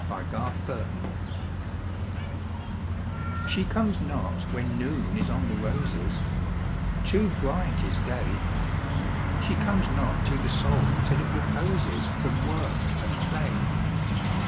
Y Z She Comes Not She comes not when Noon is on the roses Too bright is Day. She comes not to the Soul till it reposes From work and play.